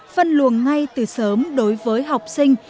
phân luồng ngay từ sớm đối với học sinh